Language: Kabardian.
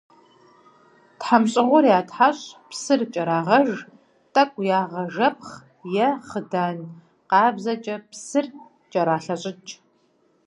ТхьэмщӀыгъур ятхьэщӀ, псыр кӀэрагъэж, тӀэкӀу ягъэжэпхъ е хъыдан къабзэкӀэ псыр кӀэралъэщӀыкӀ.